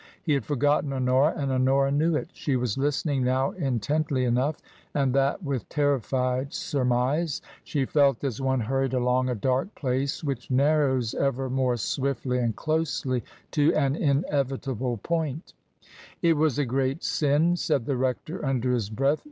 He had forgotten Honora, and Honora knew it. She was listening now intently enough and that with terrified surmise ; she felt as one hurried along a dark place which narrows ever more swiftly and closely to an inevitable point " It was a great sin," said the rector under his breath.